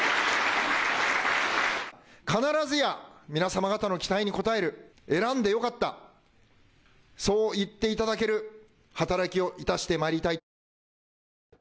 必ずや皆様方の期待に応える、選んでよかった、そう言っていただける働きをいたしてまいりたい。